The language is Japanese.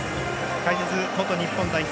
解説、元日本代表